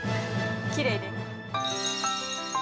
きれいです。